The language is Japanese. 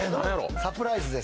サプライズです。